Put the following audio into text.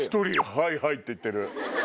「はいはい」って言ってる。